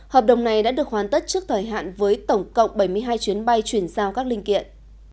hợp đồng này đã được hoàn tất trước thời hạn với tổng cộng bảy mươi hai chuyến bay chuyển giao các linh kiện